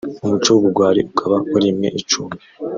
umuco w’ubugwari ukaba warimwe icumbi